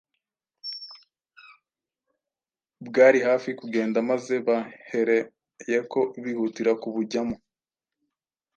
bwari hafi kugenda maze bahereyeko bihutira kubujyamo.